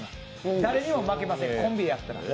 誰にも負けません、コンビやったら。